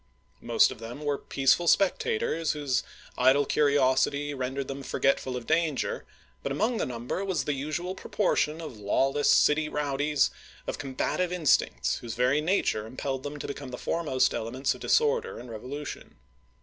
Most of them were peaceful spectators whose idle curiosity rendered them forgetful of danger ; but among the number was the usual proportion of lawless city rowdies, of combative instincts, whose very nature impelled them to become the foremost elements of disorder and revolution.